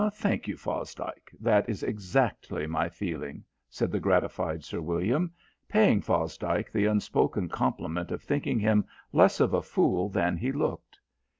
'" "Thank you, Fosdike. That is exactly my feeling," said the gratified Sir William, paying Fosdike the unspoken compliment of thinking him less of a fool than he looked.